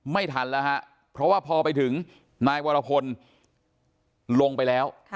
ไม่ทันแล้วฮะเพราะว่าพอไปถึงนายวรพลลงไปแล้ว